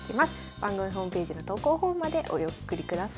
番組ホームページの投稿フォームまでお送りください。